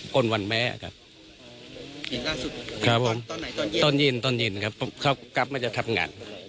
ครับตอนเย็นตอนเย็นครับกลับมาจะทำงาน